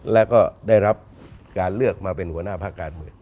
แล้วก็ได้รับการเลือกมาเป็นหัวหน้าภาคการเมือง